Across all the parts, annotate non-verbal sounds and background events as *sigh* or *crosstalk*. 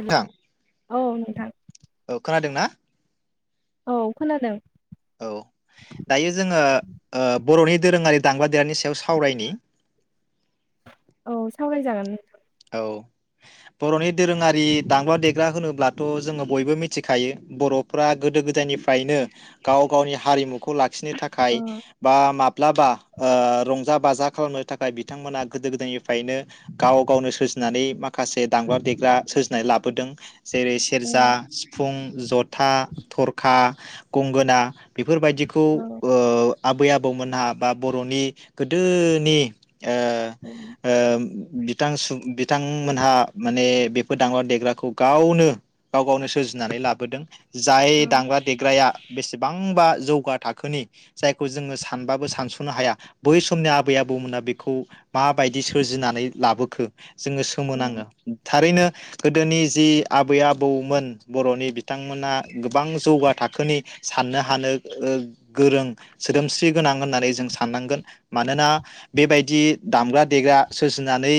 हेल' औ नोंथां। औ खोनादों ना? औ खोनादों। औ दायो जोङो ओ बर'नि दोरोङारि दामग्रा देरानि सायाव सावरायनि। औ सावरायजागोन नोंथां। औ बरनि दोरोङारि दामग्रा देग्रा होनोब्लाथ जोङो बयबो मिथिखायो बरफ्रा गोदो गोदायनिफ्रायनो गाव गावनि हारिमु खौ लाखिनो थाखाय बा माब्लाबा ओ रंजा बाजा खालामनो थाखाय बिथांमोना गोदो गोदायनिफ्रायनो गाव गावनो सोरजिनानै माखासे दामग्रा देग्रा सोरजिनाय लाबोदों। जेरै ओ सेरजा सिफुं जथा थरखा गंगोना बे बेफोरबायदिखौ ओ आबै आबौमोनहा बा बरनि गोदोनि *inaudible* बि बिथां बिथांमोनहा माने बेफोर दाम्रा देग्राखौ गावनो गाव गावनो सोरजिनानै लाबोदों। जाय औ दामग्रा देग्राया बेसेबांबा जौगा थाखोनि जायखौ जोङो सा सानबाबो सानसनो हाया। बै समनि आबै आबौमोना बेखौ माबायदि सोरजिनानै लाबोग खो जोङो सोमोनाङो थारैनो गोदोनि जि आबै आबौमोन बरनि बिथांमोना गोबां जौगा थाखोनि साननो हानो गोरों सोदोमस्रि गोनां होननानै जों साननांगोन मानोना बेबायदि दामग्रा देग्रा सोरजिनानै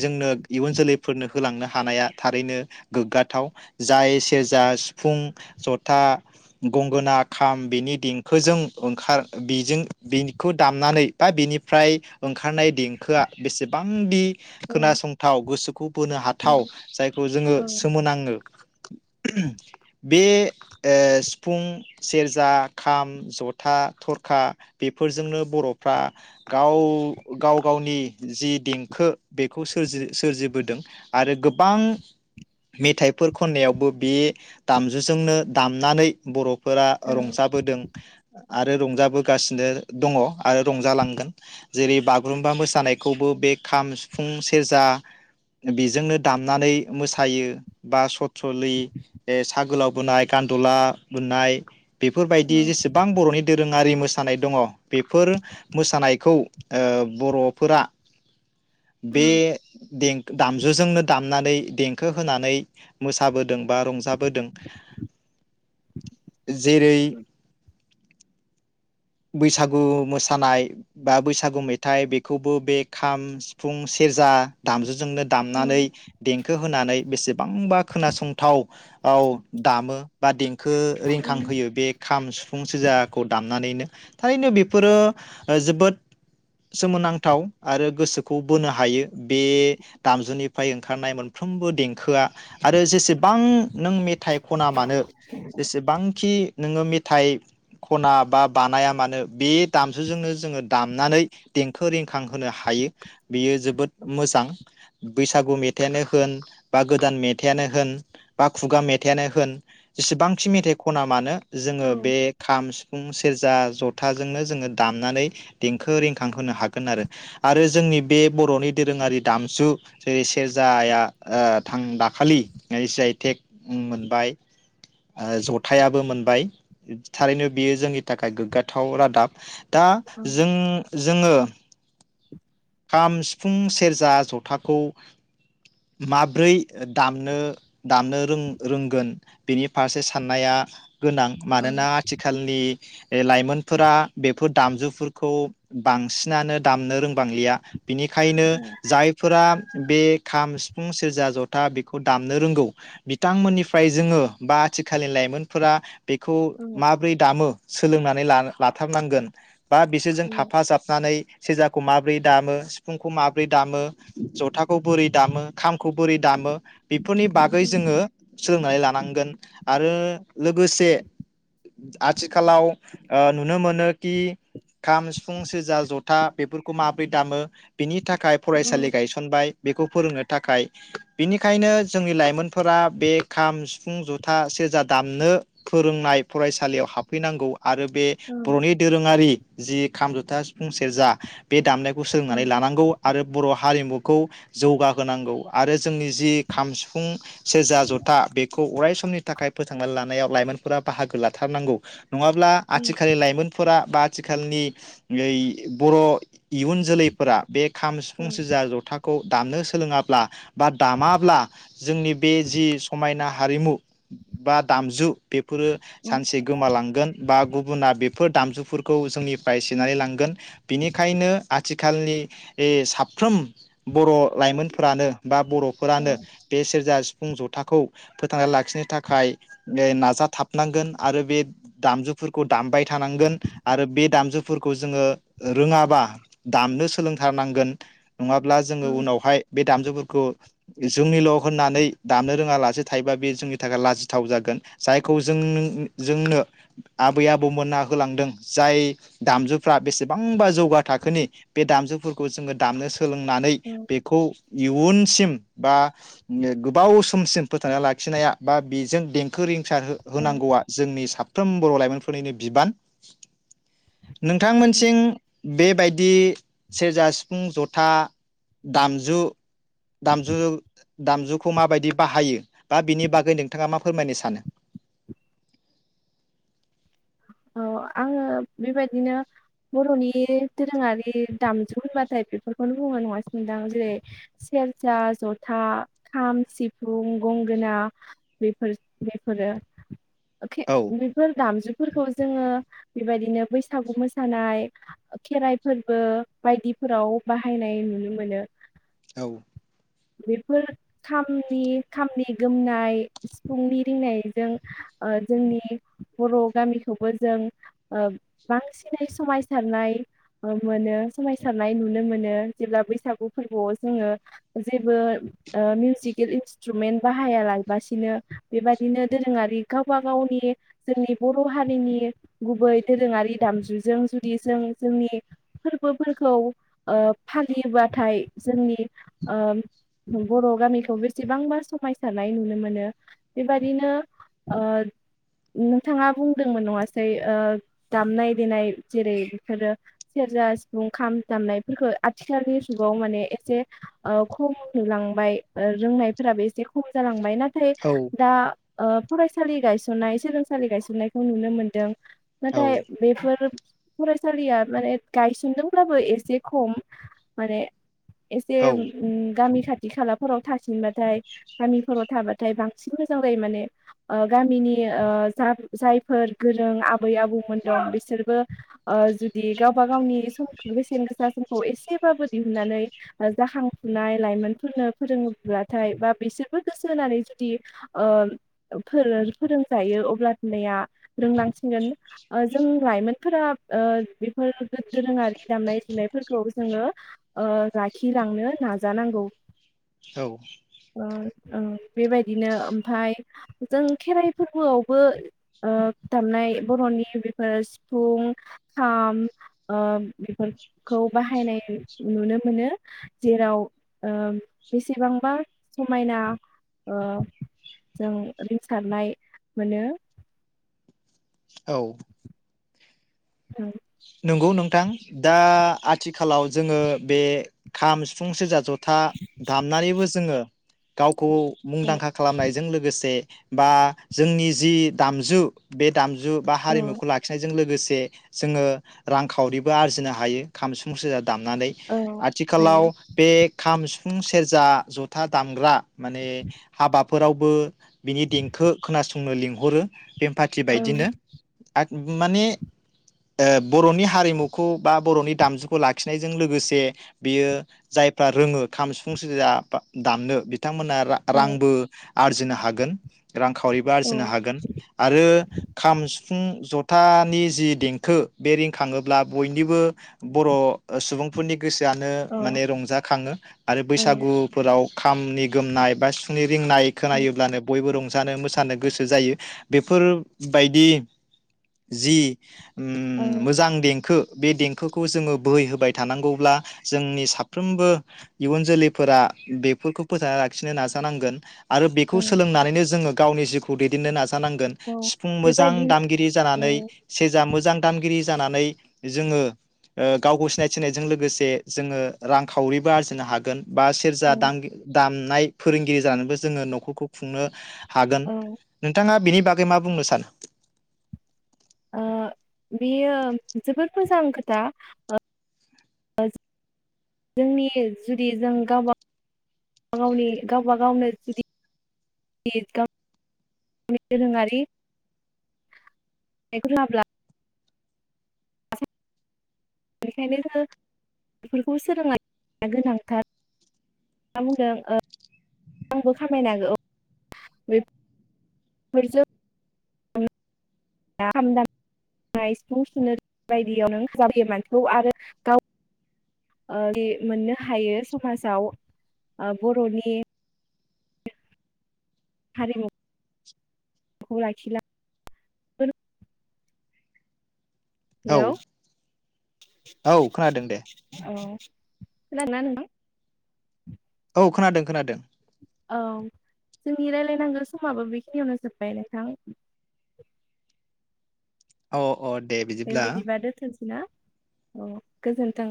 जोंनो इयुन जोलैफोरनो होलांनो हानाया थारैनो गोग्गाथाव जाय सेरजा सिफुं जथा गंगोना खाम बेनि देंखोजों ओंखार बेजों बेखौ दामनानै बा बिनिफ्राय ओंखारनाय देंखोआ बेसेबांदि औ खोनासंथाव गोसोखौ बोनो हाथाव जायखौ जोङो औ सोमोनाङो। *inaudible* बे ए सिफुं सेरजा खाम जथा थरखा बेफोरजोंनो बर'फ्रा गाव गाव गावनि जि देंखो बेखौ सोरजि सोरजिबोदों आरो गोबां मेथाइफोर खन्नायावबो बे दामजुजोंनो दामनानै बर' फोरा औ औ रंजाबोदों। आरो रंजाबोगासिनो दङ आरो रंजालांगोन जेरै बागुरुम्बा मोसानायखौबो बे खाम सु फुं सेरजा बेजोंनो दामनानै मोसायो बा सथ्रलि ए साहा गोलाव बोनाय गान्द'ला बोननाय । बेफोरबायदि जेसेबां बर'नि धोरोम आरि मोसानाय दङ बेफोर मोसानायखौ ओ बर'फोरा बे देंख दामजुजोंनो दामनानै देंखो होनानै मोसाबोदों बा रंजाबोदों। जेरै बैसागु मोसानाय बा बैसागु मेथाइ बेखौबो बे खाम सिफुं सेरजा दामजुजोंनो दामनानै देंखो होनानै बेसेबांबा खोनासंथाव औ दामो बा देंख खौ रिंखांहोयो बे खाम सिफुं सोजाखौ दामनानैनो। थारैनो बेफोरो ओ जोबोद सोमोनांथाव आरो गोसोखौ बोनो हायो बे दामजुनिफ्राय ओंखारनाय मोनफ्रोमबो देंखोआ आरो जेसेबां नों मेथाइ खना मानो जेसेबांखि नोङो मेथाइ खना बा बानाया मानो बे दामजुजोंनो जोङो दामनानै देंखो रिेंखां होनो हायो बेयो जोबोद मोजां बैसागु मेथाइयानो होन बा गोदान मेथाइयानो होन बा खुगा मेथाइयानो होन जेसेबांखि मेथाइ खना मानो जोङो बे खाम सि फुंसे सेरजा जथाजोंनो जोङो दामनानै देंखो रिंखां होनो हागोन आरो आरो जोंनि बे बर'नि दोरोङारि दामजु जेरै सेरजाया ओ थां दाखालि आइ जि आइ टेक मोनबाय ओ जथायाबो मोनबाय थारैनो बियो जोंनि नि थाखाय गोग्गाथाव रादाब। दा जों जोङो खाम सिफुं सेरजा जथाखौ माब्रै दामनो दामनो रों रोंगोन बेनि फारसे साननाया गोनां मानोना आथिखालनि बे लाइमोनफोरा बेफोर दामजुफोरखौ बांसिनानो दामनो रोंबांलिया। *unintelligible* बिनिखायनो जायफोरा बे खाम सि सिफुं सेरजा जथा बेखौ दामनो रोंगौ बिथांमोननिफ्राय जोङो बा आथिखालनि लाइमोनफोरा बेखौ माब्रै दामो सोलोंनानै लानो लाथारनांगोन। बा बिसोरजों थाफाजाबनानै सेरजाखौ माब्रै दामो सिफुंखौ माब्रै दामो जथाखौ बोरै दामो खामखौ बोरै दामो। बेफोरनि बागै जोङो सोलोंनानै लानांगोन आरो लोगोसे आथिखालाव ओ नुनो मोनोखि खाम सिफुं सेरजा जथा बेफोरखौ मा ब्रै दामो बिनि थाखाय फरायसालि गायसनबाय। बेखौ फोरोंनो थाखाय बेनिखायनो जोंनि लाइमोनफोरा बे खाम सिफुं जथा सेरजा दामनो फोरोंनाय फरायसालियाव हाबफैनांगौ। आरो बे बर'नि दोरोङारि जि खाम जथा सिफुं सेरजा बे दामनाय खौ सोलोंनानै लानांगौ आरो बर' हारिमुखौ जौगाहोनांगौ आरो जोंनि जि खाम सि फुं सेरजा जथा बेखौ अराय समनि थाखाय फोसांनानै लानायाव लाइमोनफोरा बाहागो लाथारनांगौ। नङाब्ला आथिखाल लाइमोनफोरा बा आथिखालनि ओइ बर' इयुन जोलैफोरा बे खाम सिफुं सिजा जथाखौ दामनो सोलोङाब्ला बा दामाब्ला जोंनि बे जि समायना हारिमु बा दामजु बेफोरो सानसे गोमालांगोन बा गुब गुबुना बेफोर दामजुफोरखौ जोंनिफ्राय सोननानै लांगोन बिनिखायनो आथिखालनि इ साफ्रोम बर' लाइमोनफोरानो बा बर'फोरानो बे सेरजा फुं जथाखौ फोथांना लाखिनो थाखाय ओ नाजाथाबनांगोन आरो बे दामजुफोरखौ दामबाय थानांगोन आरो बे दामजुफोरखौ जोङो रोङाबा दामनो सोलोंथारनांगोन नङाब्ला जोङो उनावहाय बे दामजुफोरखौ जोंनिल' होननानै दामनो रोङालासे थायोबा बे जोंनि थाखाय लाजिथाव जागोन जायखौ जों जोंनो आबै आबौमोनना होलांदों जाय दामजुफ्रा बेसेबांबा जौगा थाखोनि बे दामजुफोरखौ जोङो दामनो सो सोलोंनानै औ बेखौ इयुन सिम बा गोबाव समसिम फोथांना लाखिनाया बा बेजों देंखो रिं सार औ हो-होनांगौआ जोंनि साब फोम बर' लाइमोनफोरनिनो बिबान नोंथांमोनसिम बेबायद दि सेरजा सिफुं जथा दामजु दामजुु दामजुखौ माबायदि बाहायो बा बिनि बागै नोंथाङा मा फोरमायनो सानो? औ आङो बेबायदिनो बर'नि दोरोङारि दामजु होनबाथाय बेफोरखौनो बुङो नङासि नोंथां जेरै सेरजा जथा खाम सिफुं गंगोना बेफोर बेफोरो अखे औ बेफोर दामजु फोरखौ जोङो बेबायदिनो बैसागु मोसानाय खेराइ फोरबो बायदिफोराव बाहायनाय नुनो मोनो। औ बेफोर खामनि खामनि गोमनाय सिफुंनि रिंनायजों ओ जोंनि बर' गामिखौबो जों ओ बांसिनै समायसारनाय ओ मोनो समायसारनाय नुनो मोनो जेब्ला बैसागु फोरबोआव जोङो जेबो ओ मिउजिकेल इन्सट्रुमेन्ट बाहाया लायबासिनो बेबादिनो दोरोङारि गावबा गावनि जोंनि बर' हारिनि गुबै दोरोङारि दामजुजों जुदि जों जोंनि फोरबोफोरखौ ओ फालियोबाथाय जोंनि ओ बर' गामिखौ बेसेबांबा समायसारनाय नुनो मोनो बेबादिनो ओ नो थाङा बुंदोंमोन नङासै ओ दामनाय देनाय जेरै बेफोरो सेरजा सिफुं खाम दामनायफोरखौ आथिखालनि जुगाव माने एसे ओ खम नुलांबाय ओ रोंनायफोराबो एसे खम जालांबाय नाथ थाय औ दा ओ फरायसालि गायसननाय सोलों सालि गायसननायखौ नुनो मोन्दों। नाथाय बेफोर फरायसालिया माने गायसनदोंब्लाबो एसे खम माने एसे औ उम गामि खाथ खाथि खालाफोराव थासिनबा थाय गामिफोराव थाबा थाय बांसिन मोजां जायो माने ओ गामिनि ओ जा जायफोर गोरों आबै आबौमोन दं बिसोरबो ओ जुदि गावबा गावनि सम बेसेन गोसा समखौ एसेबाबो दिहुनन्नानै ओ जाखांफुनाय लाइमोनफोरनो फोरोङोब्लाथाय बा बिसोरबो गोसो होनानै जुदि ओ फोरो-फोरोंजायो अ *unintelligible* रोंलांसिनगोन ओ जों लाइमोनफोरा ओ बेफोर दोरोङारि दामनाय दुनायफोरखौ जोङो ओ लाखिलांनो नाजानांगौ। औ। ओ ओ बेबायदिनो ओमफाय जों खेराइ फोरबोआव बो ओ दामनाय बर'नि बेफोर सिफुं खाम ओ बेफोरखौ बाहायनाय नुनो मोनो जेराव ओ बेसेबांबा समायना ओ जों रिंसारनाय मोनो। औ। *inaudible* नंगौ नोंथां दा आथिखालाव जोङो बे खाम, सिफुं, सेरजा ज था दामनानैबो जोङो गाव खौ मुंदांखा खालामनायजों लोगोसे बा जोंनि जि दामजु बे दामजु जु बा औ हारिमुखौ लाखिनायजों लोगोसे। दे जोङो रां खावरिबो आरजिनो हायो खाम, सिफुं सेरजादो। दामनानै आथिखालाव हायो। बे खाम सि सिफुं, सेरजा, जथा दामग्रा माने हाबाफोरावबो बिनि देंखो खोनासं *unintelligible* लिंहरो बेमपाथि औ बायदिनो। *unintelligible* माने ओ बर'नि हारिमुखौ बा बर'नि दामजुखौ लाखिनायजों लोगोसे बियो जायफ्रा रोङो खाम सिफुं सेरजा दामनो। बिथांमोना रा- औ रांबो। आरजिनो हागोन। रांखावरिबो आरजिनो औ हागोन आरो खाम *unintelligible* सिफुं जथानि जि देंखो। बे रिंखाङोब्ला बयनिबो बर' सुबुंफोरनि। गोसोआनो औ माने रंजाखाङो आरो औ बैसागुफोराव। खामनि गोमनाय बा सिफुंनि रिंनाय खोनायोब्लानो बयबो रं जानो मोसानो गोसो जायो बेफोरबायदि जि उम। उम मोजां देंखो। बे देंखोखौ जोङो बोहै होबाय थानांगौब्ला जोंनि साफ्रोमबो इयुन जोलैफोरा बेफोरखौ फोथांना लाखिनो नाजानांगोन। आरो बेखौ औ सोलोंनानैनो जोङो। गावनि जिउखौ दैदेननो नाजा नांगोन औ सिफुं मोजां बेबायदिनो दामगिरि जानानै औ सेजा मोजां। दामगिरि जानानै जोङो ओ गावखौ सिनायथिहोनायजों लोगोसे जोङो रांखावरिबो आरजिनो हागोन। बा सेरजा औ दान दाम। नाय फोरोंगिरि जानोबो जोङो न'खरखौ खुंनो। हागोन औ नोंथाङा बिनि। बागै मा बुंनो सानो? ओ बेयो जोबोद मोजां खोथा ओ। जोंनि जुदि जों गावबा गावनि गावबा गावनो जुदि। *unintelligible* दोरोङारि *unintelligible* रोङाब्ला बेनिखायनो जोङो बेफोरखौ सोलोंनाया गोनांथार मा *unintelligible* *unintelligible* सिफुं सुनो बायदियाव नों *unintelligible* मोननो हायो समाजाव बर'नि। हारिमु *unintelligible* औ हेलौ। औ खोनादों दे औ। खोनादो दे नोंथां। औ खोनादों खोनादों। औ जोंनि रायलायनांगौ समाबो बेखिनियावनो जोब्बाय नोंथां। अ। अ दे बिदिब्ला। बिदिबा दोनथ'नोसै ना औ गोजोनथों।